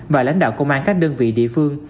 và lãnh đạo công an các đơn vị địa phương